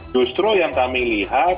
justru yang kami lihat